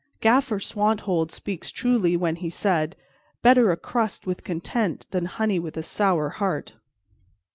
Gaffer Swanthold speaks truly when he saith, 'Better a crust with content than honey with a sour heart.'"